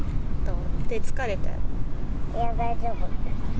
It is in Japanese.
いや、大丈夫。